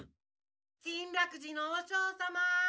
・金楽寺の和尚様！